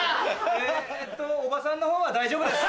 えっとおばさんのほうは大丈夫です。